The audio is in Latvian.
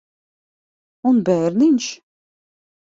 Un bērniņš?